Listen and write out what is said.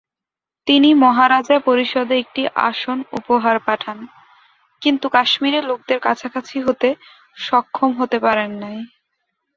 তিনি মহারাজা পরিষদে একটি আসন উপহার পাঠান, কিন্তু কাশ্মীরের লোকেদের কাছাকাছি হতে সক্ষম হতে পারেন নাই।